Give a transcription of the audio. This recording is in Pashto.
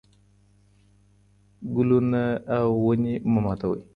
ګلونه او ونې مه ماتوئ.